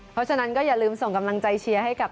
เพราะฉะนั้นก็อย่าลืมส่งกำลังใจเชียร์ให้กับ